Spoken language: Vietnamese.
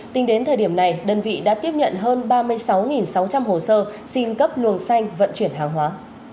tính đến thời điểm này đơn vị đã tiếp nhận hơn ba mươi sáu sáu trăm linh hồ sơ xin cấp luồng xanh vận chuyển hàng hóa